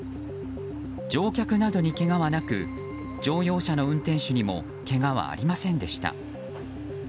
乗客などにけがはなく乗用車の運転手にもけがはありませんでした。